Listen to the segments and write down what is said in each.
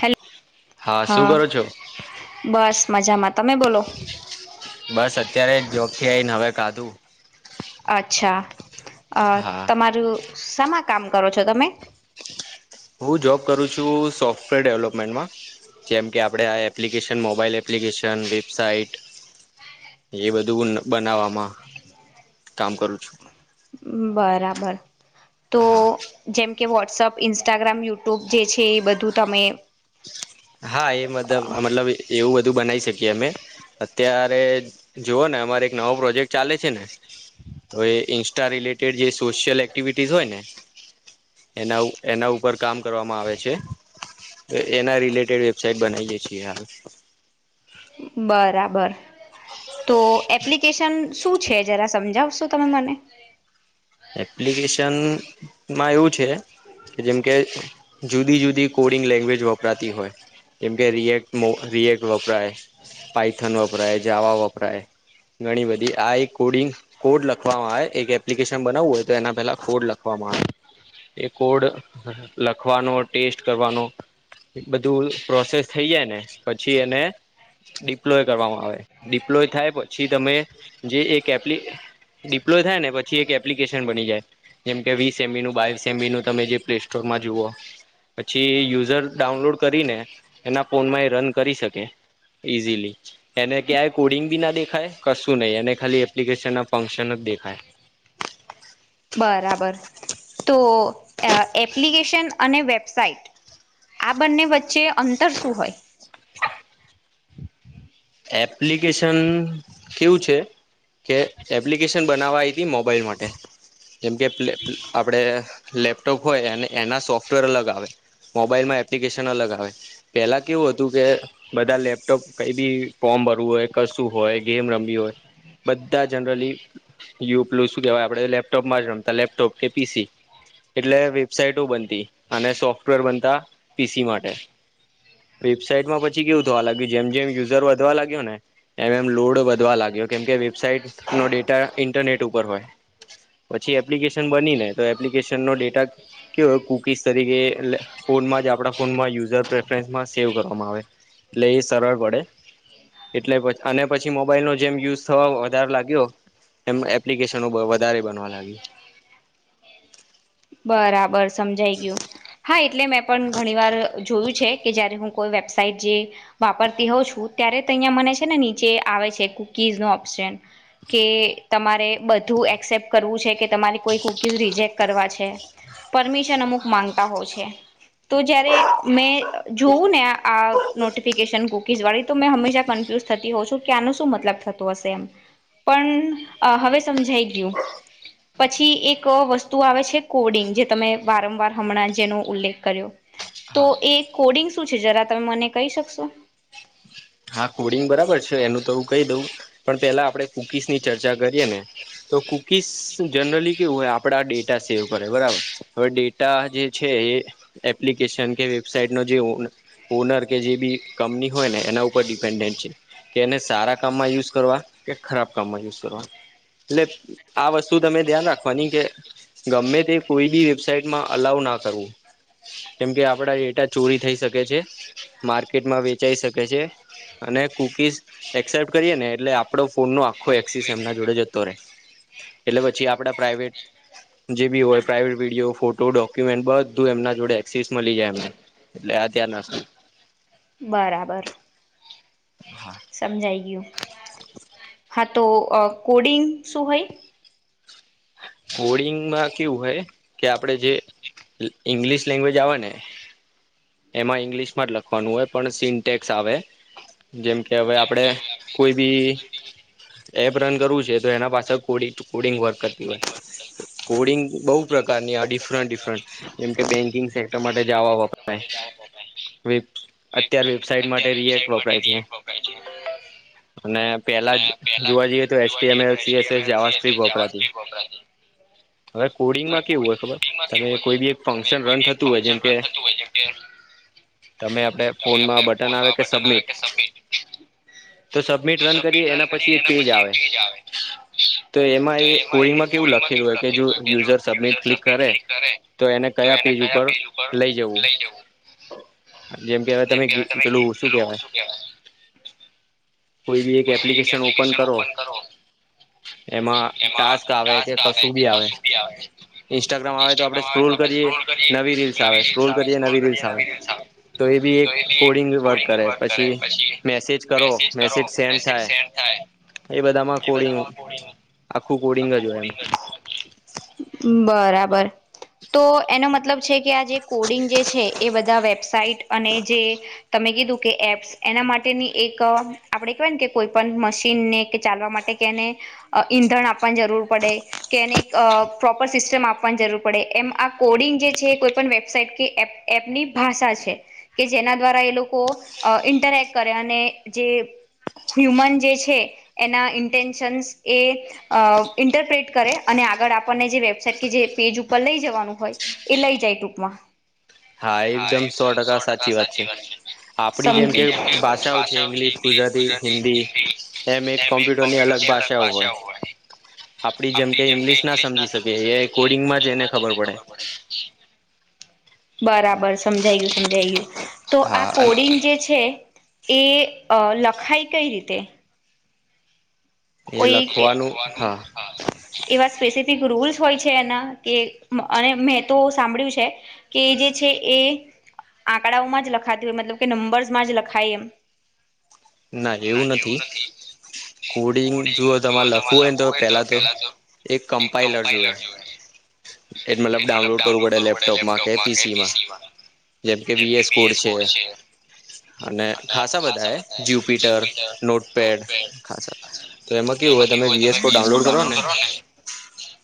Hello શું હા કરો છો? બસ મજામાં. તમે બોલો બસ અત્યારે જોબથી આઈને હવે ખાધું. અચ્છા અ હા તમારું સેમાં કામ કરો છો તમે? હું જોબ કરું છું સોફ્ટવેર ડેવલપમેન્ટમાં. જેમ કે આપડણે આ એપ્લિકેશન મોબાઈલ એપ્લિકેશન વેબસાઇટ. એ બધું બનાવામાં કામ કરું છું. બરાબર તો હા જેમ કે વોટ્સઅપ ઇન્સ્ટાગ્રામ યુટ્યુબ જે છે એ બધું તમે હા એ મતલબ મતલબ એવું બધું બનાવી શકીએ અમે અત્યારે જુઓ ને અમારે એક નવો પ્રોજેક્ટ ચાલે છે ને તો એ ઇન્સ્ટા રિલેટેડ જે સોશિયલ એક્ટિવિટીઝ હોય ને એના એના ઉપર કામ કરવામાં આવે છે એના રિલે વેબસાઈટ બનાઈએ છીએ હાલે બરાબર તો એપ્લિકેશન શું છે જરા સમજાવશો તમે મને એપ્લિકેશન માં એવું છે કે જેમકે જુદી જુદી કોડિંગ લેંગ્વેજ વપરાતી હોય જેમકે રિએક્ટનું રિએક્ટ વપરાય, પાઇથન વપરાય, જાવા વપરાય ઘણી બધી આ એક કોડિંગ કોડ લખવામાં આવે એક એપ્લિકેશન બનાવવું હોય તો એના પેલા કોડ લખવામાં આવે એ કોડ લખવાનો ટેસ્ટ કરવાનો બધું પ્રોસેસ થઈ જાય ને પછી એને ડિપ્લોય કરવામાં આવે ડિપ્લોય થાય પછી તમે જે એક એપ્લી ડિપ્લોય થાય ને પછી એક એપ્લિકેશન બની જાય જેમ કે વીસ એબીનો બાવીસ એબીનું તમે જે પ્લેસ્ટોરમાં જુઓ. પછી યુઝર ડાઉનલોડ કરીને એના ફોન માં એ રન કરી શકે‌. ઈઝીલી એને ક્યાંય કોડિંગ બી ના દેખાય કશું નહી એને ખાલી એપ્લિકેશન ના ફંક્શન જ દેખાય. બરાબર તો એપ્લિકેશન અને વેબસાઇટ આ બંને વચ્ચે અંતર શું હોય? એપ્લિકેશન કેવું છે. કે એપ્લિકેશન બનાવા આઇતી મોબાઈલ માટે. જેમ કે આપડે લેપટોપ હોય અને એના સોફ્ટવેર અલગ આવે. મોબાઈલમાં એપ્લિકેશન અલગ આવે પેલા કેવું હતું કે બધા લેપટોપ કઈ બી ફોર્મ ભરવું હોય કશું હોય ગેમ રમવી હોય બધા જનરલી યુલું શું કેવાય આપડે લેપટોપમાં જ રમતા લેપટોપ કે પીસી એટલે વેબસાાઈટો બનતી અને સોફ્ટવેર બનતા પીસી માટે વેબસાઈટમાં પછી કેવું થું અલગે જેમ જેમ યુઝર વધવા લાગ્યો ને એમ એમ લોડ વધવા લાગ્યો કેમકે વેબસાઇટ નો ડેટા ઇન્ટરનેટ ઉપર હોય પછી એપ્લિકેશન બની ને તો એપ્લિકેશન નો ડેટા કેય કુકીઝ તરીકે ફોનમાં જ આપણા ફોનમાં યુઝર પ્રેફરન્સમાં સેવ કરવામાં આવે લે એ સરડ પડે એટલે પછ અને પછી મોબાઈલ નો જેમ યુઝ થવા વધારે લાગ્યો એમ એપ્લિકેશનો વધારે બનવા લાગી [unintelligible] બરાબર સમજાઈ ગયું હા એટલે મેં પણ ઘણી વાર જોયું છે કે જયારે હું કોઈ વેબસાઇટ જે વાપરતી હોઉં છું ત્યારે ત્યાં મને છે ને નીચે આવે છે કુકીઝનો ઓપ્શન કે તમારે બધું એક્સેપ્ટ કરવું છે કે તમારે કોઈ કુકીઝ રિજેક્ટ કરવા છે પરમિશન અમુક માંગતા હોય છે તો જયારે મેં જોવું ને આ નોટિફિકેશન કુકીઝ વાળી તો મેં હંમેશા કંફ થતી હો છું કે આનું શું મતલબ થતું હશે એમ. પણ હવે સમજાઈ ગયું પછી એક વસ્તુ આવે છે. કોડિંગ જે તમે વારંવાર હમણાં જેનો ઉલ્લેખ કર્યો. તો હા એ કોડિંગ શું છે જરા તમે મને કહી શકશો. હા કોડિંગ બરાબર છે એનું તો હું કહી દઉં પણ પેલા આપડણે કુકીસ ની ચર્ચા કરીએ ને. તો કુકીસ જનરલી કેવું હોય આપડા ડેટા સેવ કરે બરાબર હવે ડેટા જે છે. એપ્લિકેશન કે વેબાઈટ ન જે. ઓનર કે જે બી કંપની હોય ને એના ઉપર. પર ડિપેન્ડન્સ છેન્ કે એને સારા કામમાં યુઝ કરવા કે ખરાબ કામમાં યુઝ કરવા. એટલે આ વસ્તુ તમે ધ્યાન રાખવાની કે. ગમે તે કોઈ બી વેબસાાઈટમાં અલાઉ ના કરવું. કેમ કે આપડા ડેટા ચોરી થઈ શકે છે માર્કેટમાં વેચાઈ શકે છે. અને કુકીઝ એક્સેપ્ટ કરીએ ને એટલે આપડો ફોન નો આખો એક્સિસ એમના જોડે જતો રહેે. એટલે પછી આપડા પ્રાઈવેટ જે બી હોય પ્રાઇવેટ વિડીયો, ફોટો, ડોક્યુમેન્ટ બધું એમના જોડે એક્સસ મલી જાય એમને. એટલે આ ત્યારના [unintelligible] બરાબર. હા. સમજાઈ ગયું હા તો કોડિંગ શું હોય. વોડિંગમાં કેવું હોય કે આપડે જે. ઈંગ્લિશ લેંગ્વેજ આવે ને. એમાં ઈંગ્લિશ માં જ લખવાનું હોય પણ સિન્ટેક્સ આવે. જેમ કે હવે આપડે કોઈ બી. એપ રન કરવું છે તો એના પાસે કોડ કોડિંગ વર્ક કરતી હોય. કોડિંગ બહુ પ્રકારની આ ડિફરન્ટ ડિફરન્ટ જેમ કે બેંકિંગ સેક્ટર માટે જવા વાપરા. અત્યાર વેબસાઇટ માટે. રિએક્ટ વપરાય છે અને. પેલા જોવા જઈએ તો એસએમલ સીએસસ જહ્રી ગોપરાથી. હવે કોડિંગમાં કેવું હોય ખબર તમે કોઈ બી એક ફંક્શન રન થતું હોય જેમ કે. હોય છે.. તમે આપણે ફોનમાં તમે બટન ફોનમાં બટન આવે કે સબમિટ. તો સબમિટ રન કરીએ એના પછી એક પેજ આવે. તો એમાં એ કોડિંગમાં કેવું લખેલું હોય કે જો યુઝર સબમિટ ક્લિક કરે. તો એને કયા પેજ ઉપર લઈ જવું. લઈ જવું. કે હવે જેમ તમે કેવાય કે નઈ [unintelligible] પેલું કહેવાય શું કેવાય? કોઈ એક એપ્લિકેશન ઓપન કરો એમાં ટાસ્ક આવે કે કસુ બી આવે ઇન્સ્ટાગ્રામ આવે તો આપડે સ્ક્રોલ કરીએ, નવી રીલ્સ આવે. સ્ક્રોલ કરીએ, નવી રીલ્સ આવે. તો એ બી એક કોડિંગ વર્ક કરે, પછી મેસેજ કરો મે ચડ સેન્ડ થાય. એ બધામાં કોડીંગ, આખું કોડિંગ જ હોય. [unintelligible] બરાબર, તો એનો મતલબ છે કે આ જે કોડિંગ જે છે એ બધા વેબસાઇટ અને જે તમે કીધું કે એપસ, એના માટેની એક આપડે [unintelligible] કોઈ પણ મશીનને કે ચાલવા માટે કે ને અ ઈંધણ આપવાની જરૂર પડે કે એને એક અ પ્રોપર સિસ્ટમ આપવાન જરૂર પડે. એમ આ કોડિંગ જે છે, કોઈ પણ વેબસાઇટ તે એપ-એપની ભાષા છે, કે જેના દ્વારા એ લોકો અ ઈન્ટરેક્ટ કરે અને કે હ્યુમન જે છે, એના ઈન્ટેન્શન્સ એ અ ઈન્ટરપ્રેટ કરે અન ને આગળ આપણને જે વેબસાાઈટ કે જે પેજ ઉપર લઈ જવાનું હોય, એ લઈ જાય ટૂંકમાં. હા, એકદમ સો ટકા સાચી વાત છે. સમજી [unintelligible] આપડી જેમ કે ભાષાઓ છે, ઈંગ્લીશ ગુજરાતી, હિન્દી એમ એક કોમ્પ્યુટરની અલગ ભાષા હોય. આપડી જેમ કઈ ઈંગ્લિશ ના સમજી શકે, એ કોડિંગમાં જ એને ખબર પડે. બરાબર. સમજાય ગયું, સમજાય ગયું. તો આ હા અને કોડિંગ જે છે તે અ લખાય કઈ રીતે? કોઈ એક, એ લખવાનું હા. એવા સ્પેસીફી તિક રૂલ્સ હોય છે, એના કે અને મેં તો સાંભળ્યું છે કે જે છે એ આંકડાઓમાં જ લખાતી હોય મતલબ કે નંબર્સમાં જ લખાય, એમ. ના, એવું નથી. કોડિંગ જુઓ તમાર લખવું હોયન તો પેલા તો એક કમ્પાઈલર જોઈએ. એ મતલબ ડાઉનલોડ કરવું પડે લેપટોપમાં કે પીસીમાં. જેમ કે બીએસફોર છે. અને ખાસા બધા એ જ્યુપિટર, નોટપેડ ખાસા. તો, એમાં કેવું હોય તમે વી એસ કોડ ડાઉનલોડ કરો ને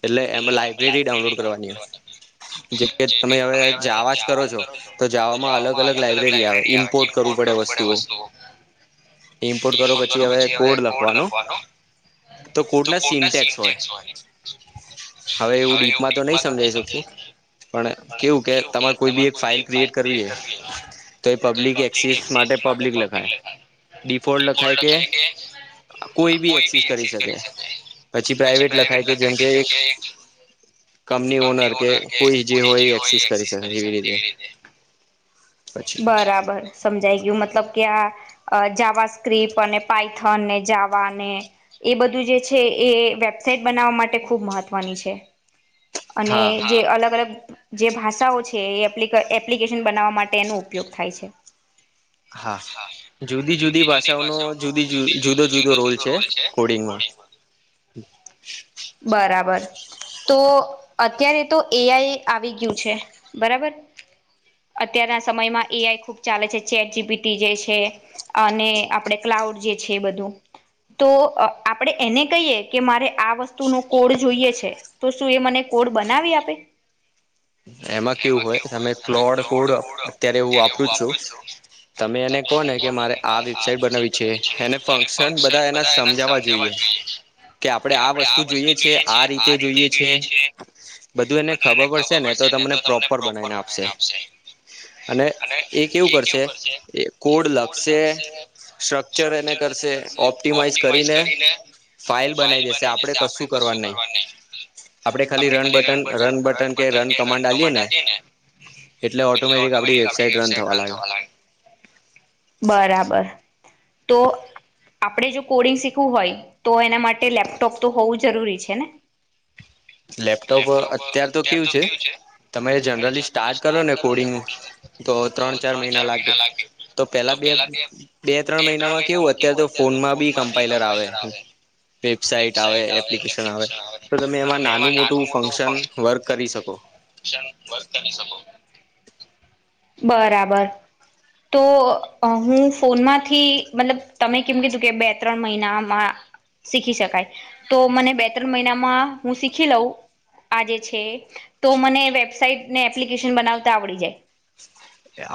એટલે એમાં લાઈબ્રેરી રેડી [unintelligible] જે, કે તમે હવે જવા જ કરો છો, તો જવામાં અલગ-અલગ લાઈબ્રેરી આવે ઇમ્પોર્ટ કરવું પડે વસ્તુઓ. ઇમ્પોર્ટ કરો પછી હવે, કોડ લખવાનું તો કોડના સિન્ટેક્સ હોય. હવે એવું ડીપમાં આતો નઈ સમજાઈ શકું. પણ કેવું કે, તમાર કોઈ બી એક ફાઈલ ક્રિએટ કરવી છે તો, એ પબ્લિક એક્સસ માટે પબ્લિક લખાય. ડિફોલ્ટ લખાય કે કોઈ બી એક્સિસ કરી શકે પછી પ્રાાઈવેટ લખાય, કે જેમ કે એક કંપની ઓનર કે કોઈ જે હોય, એ એક્સસ કરી શકે એવી રીતે પછી બરાબર. સમજાઈ ગયું, મતલબ કે [unintelligible] અ જાવા સ્ક્રિપ અને પાયથનને, જાવાને એ બધું જે છે એ વેબસાઇટ બનાવવા માટે ખૂબ મહત્વની છે, અને હા જે અલગ-અલગ જે ભાષાઓ છે. એ એપ્લીક એપ્લિકેશન બનાવા માટે એનો ઉપયોગ થાય છે. હા. જુદી-જુદી ભાષાઓનો જુદી-જુ-જુદો-જુદો રોલ છે, કોડિંગમાં. બરાબર, તો અત્યારે તો એઆઈ આવી ગયું છે, બરાબર. અત્યારના સમયમાં એઆઈ ખુબ ચાલે છે, ચેટ જીપીટી જે છે અને આપડે ક્લાઉ ઉડ જે છે, બધું. તો આપણેે એને કહીએ કે મારે આ વસ્તુનો કોડ જોઈએ છે, તો શું એ મને કોડ બનાવી આપે. એમાં કેવું હોય તમે ક્લોડ ગડો અત્યારે એવું આપ્યું જ છો. [inaudible] તમે, એને કહો ને કે મારે આ વેબસાઇટ બનાવી છે એને ફંક્શન બધા એ સમજાવવા જોઈએ. કે આપણેે આ વસ્તુ જોઈએ છીએ, આ રીતે જોઈએ છે. બધું એને ખબર પડશે ને ને તો તમને પ્રોપર બનાવી આપશે. અને એ કેવું કરશે એ કોડ લાગશે સ્ટ્રક્ચર એ કરશે ઓપ્ટિમાઈઝ કરીને ફાઇલ બનાવી બનાઈ આપણે દેશે આપડે કરવાનું કશું નહીં કરવા નહી. આપણે ખાલી રન બટન કમાન્ડ આપીને એટલે ઓટોમેટિક વેબસાઇડ રન થવા લાગે. બરાબર, તો આપણે જો કોડિંગ શીખવું હોય, તો એના માટે લેપટોપ તો હોવું જરૂરી છે, ને? લેપટોપ, અત્યાર તો કેવું છે તમે, જનરલી સ્ટાર્ટ કરો ને કોડીંગ ને તો ત્રણ-ચાર મહિના લાગે તો બે પેલા કે બે ત્રણ મહિનામાં કેવું અત્યારે તો ફોનમાં બી કમ્પાઈલર આવે. વેબસાાઈટ આવે એપ્લિકેશન આવે તો તમે એમાં ના મોટું મોટું ફંકશન વકૅર સંભવ. બરાબર તો હું ફોનમાંથી મતલબ તમે કેમ કીધું કે બે- ત્રણ મહિનામાં. શીખી શકાય તો મને બે ત્રણ મહિનામાં હું શીખી લઉં આજે છે, તો મને વેબસાાઈટ ને એપ્લિકેશન બનાવતા આવડી જાય.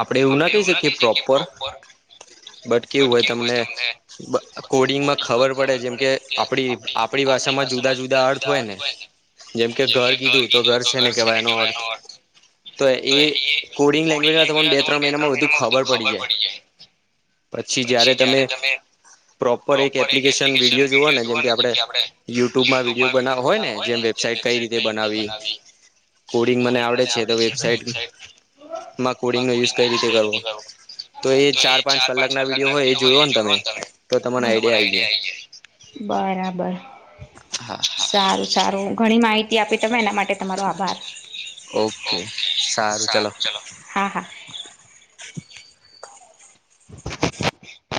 આપડે એવું ના કહી શકીએ પ્રોપર બટ કેવું હોય, તમને કોડિંગમાં ખબર પડે જેમ કે આપડી આપણી ભાષામાં જુદા જુદા અર્થ હોય ને જેમ કે ઘર કીધું તો ઘર છે, ને કેવાય એનો અર્થ તો એ કોડિંગ લેંગ્વેજમાં તમને બે ત્રણ મહિનામાં બધુ ખબર પડી જાય. પછી જયારે તમે પ્રોપર એક એપ્લિકેશન વિડીયો જોવા ને જેમ કે આપડે યુટ્યુબમાં વિડીયો બનાવો હોય, ને જેમ વેબસાઇટ કઈ રીતે બનાવી. કોડિંગ મને આવડે છે, તો વેબસાઇટમાં કો. કંઈ રીતે કરવો. તો એ ચાર પાંચ કલાક ના વિડીયો હોય એ જોયો ને તમે તો તમાને આઈડિયા આઈ જાય. બરાબર હા સારું સારું ઘણી માહિતી આપી તમે એના માટે. એ તમારો આભાર ઓકે સારું ચલો હા, હા. [unintelligible] [inaudible]